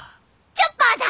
チョッパーだ。